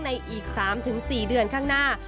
อีก๓๔เดือนข้างหน้า